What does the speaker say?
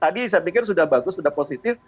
jadi tadi saya pikir sudah bagus sudah positif